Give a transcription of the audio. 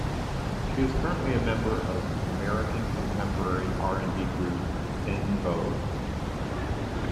She is currently a member of American contemporary R and B group En Vogue.